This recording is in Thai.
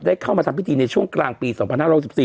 เข้ามาทำพิธีในช่วงกลางปี๒๕๖๔